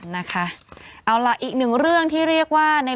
โหยวายโหยวายโหยวาย